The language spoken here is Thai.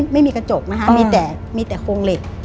ไม่มีกระจกนะคะมีแต่มีแต่โครงเหล็ก